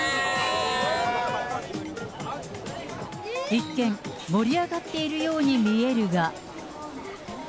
一見、盛り上がっているように見えるが。